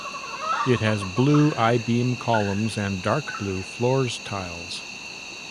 It has blue I-beam columns and dark blue floors tiles.